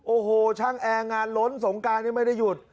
โอ้โหช่างแอร์งานล้นสงการยังไม่ได้หยุด